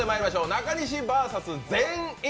中西ＶＳ全員。